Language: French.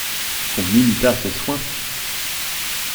Qu'on imitât ces soins.